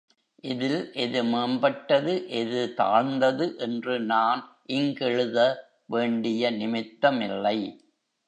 இதில் எது மேம்பட்டது, எது தாழ்ந்தது என்று நான் இங்கெழுத வேண்டிய நிமித்தமில்லை.